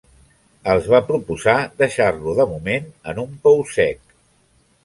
Els va proposar deixar-lo, de moment, en un pou sec.